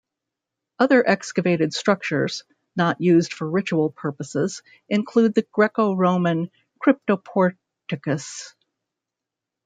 Other excavated structures, not used for ritual purposes, include the Greco-Roman cryptoporticus.